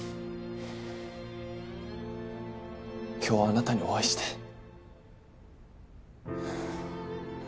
今日あなたにお会いして。